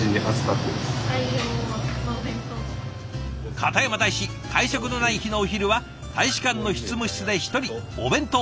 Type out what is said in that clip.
片山大使会食のない日のお昼は大使館の執務室で一人お弁当。